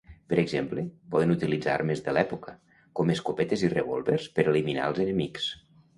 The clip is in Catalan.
Per exemple, poden utilitzar armes de l'època, com escopetes i revòlvers per eliminar als enemics.